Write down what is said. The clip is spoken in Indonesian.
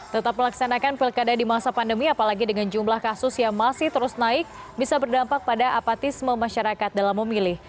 tetap melaksanakan pilkada di masa pandemi apalagi dengan jumlah kasus yang masih terus naik bisa berdampak pada apatisme masyarakat dalam memilih